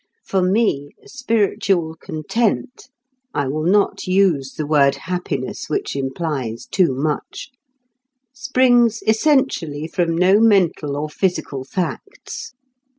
For me, spiritual content (I will not use the word "happiness," which implies too much) springs essentially from no mental or physical facts.